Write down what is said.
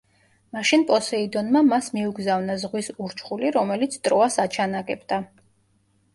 მაშინ პოსეიდონმა მას მიუგზავნა ზღვის ურჩხული, რომელიც ტროას აჩანაგებდა.